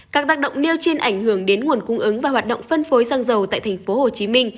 các tác động nêu trên ảnh hưởng đến nguồn cung ứng và hoạt động phân phối xăng dầu tại tp hcm